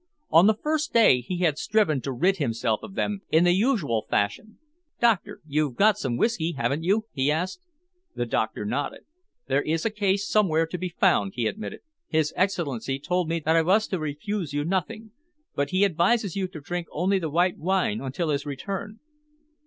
On the first day he had striven to rid himself of them in the usual fashion. "Doctor, you've got some whisky, haven't you?" he asked. The doctor nodded. "There is a case somewhere to be found," he admitted. "His Excellency told me that I was to refuse you nothing, but he advises you to drink only the white wine until his return."